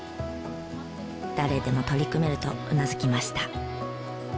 誰でも取り組めるとうなずきました。